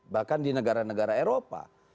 bahkan di negara negara eropa